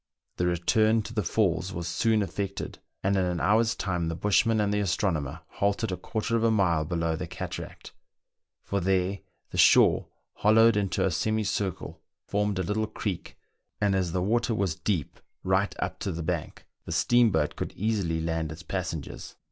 The return to the falls was soon ef fected, and in an hour's time the bushman and the astro nomer halted a quarter of a mile below the cataract ; for there the shore, hollowed into a semicircle, formed a little creek, and as the water was deep right up to the bank, the steamboat could easily land its passengers.